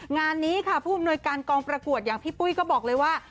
งานนี้ค่ะผู้อำนวยการกองประกวดอย่างพี่ปุ้ยก็บอกเลยว่า